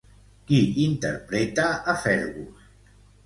Qui interpreta a Fergus?